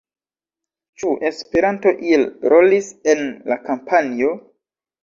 Ĉu Esperanto iel rolis en la kampanjo?